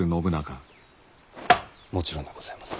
もちろんでございます。